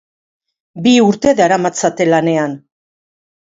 Bi urte daramatzate lanean.